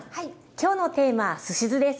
今日のテーマはすし酢です。